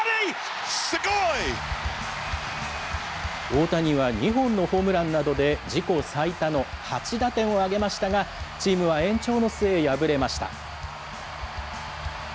大谷は２本のホームランなどで、自己最多の８打点を挙げましたが、チームは延長の末、敗れました。